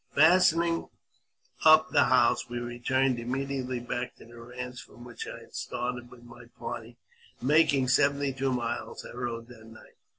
Fastening up the house, we returned immediately back toj the ranch from which I had started with my party, making seventy two miles I rode that night.